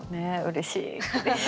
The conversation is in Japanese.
うれしい。